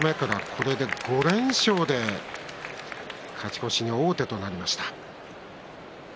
七日目から、これで５連勝で勝ち越しに王手となりました。